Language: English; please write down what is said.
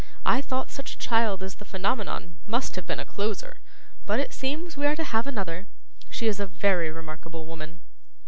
'I thought such a child as the Phenomenon must have been a closer; but it seems we are to have another. She is a very remarkable woman.